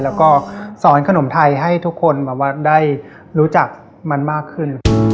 แล้วก็สอนขนมไทยให้ทุกคนได้รู้จักมันมากขึ้น